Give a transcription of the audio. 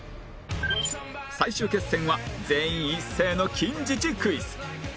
最終決戦は全員一斉の近似値クイズ